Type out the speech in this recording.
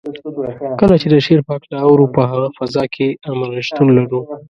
کله چې د شعر په هکله اورو په هغه فضا کې عملاً شتون لرو.